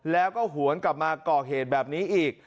แล้วก็หวนกลับมาก่อเหตุแบบนี้อีก